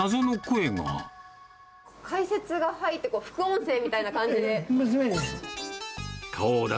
解説が入って、副音声みたい娘です。